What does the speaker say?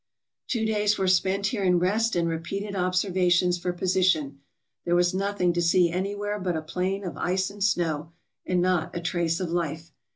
Two days were spent here in rest and repeated observations for position. There was nothing to see anywhere but a plain of ice and snow, and not a trace of life.